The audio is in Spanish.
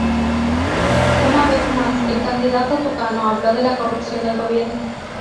Una vez más, el candidato tucano habló de la corrupción del Gobierno.